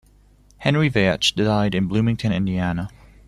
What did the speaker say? Henry Veatch died in Bloomington, Indiana.